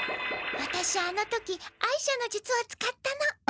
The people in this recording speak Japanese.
ワタシあの時哀車の術を使ったの。